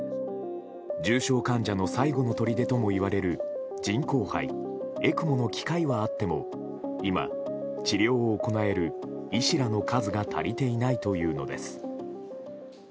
重症患者の最後のとりでともいえる人工肺・ＥＣＭＯの機械はあっても今、治療を行える医師らの数が足りていないというのです。